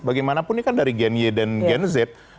bagaimanapun ini kan dari gen y dan gen z